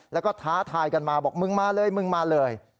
แล้วก็ท้าทายกันมาบอกมึงมาเลยมึงมาเลย